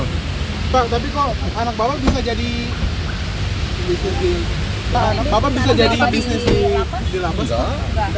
pak tapi kok anak bapak bisa jadi bisnis di